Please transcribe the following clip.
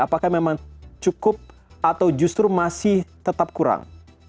apakah memang cukup atau justru masih tetap kurang